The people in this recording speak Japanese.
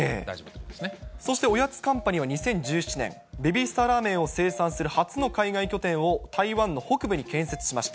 そしておやつカンパニーは２０１７年、ベビースターラーメンを生産する初の海外拠点を、台湾の北部に建設しました。